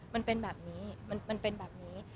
มันเป็นแบบนี้มันเป็นแบบนี้